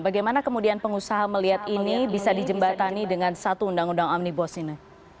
bagaimana kemudian pengusaha melihat ini bisa dijembatani dengan satu undang undang omnibus ini